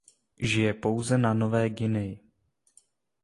Žije pouze na Nové Guineji.